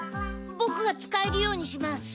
ボクが使えるようにします。